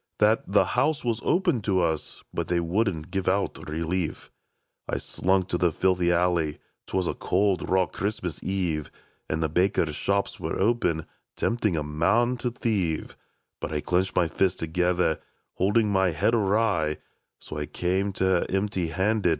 That ' the House * was open to us, But they wouldn't give * out relief/ *' I slunk to the filthy alley ^ 'Twas a cold, raw Christmas eve — And the bakers' shops were open, Tempting a man to thieve ; But I clenched my fists together, Holding my head awry, So I come to her empty handed.